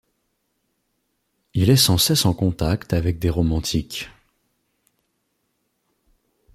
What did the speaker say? Il est sans cesse en contact avec des romantiques.